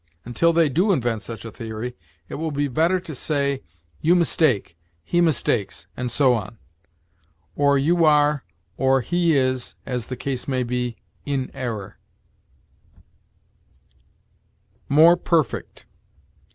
Until they do invent such a theory, it will be better to say you mistake, he mistakes, and so on; or you are, or he is as the case may be in error. MORE PERFECT.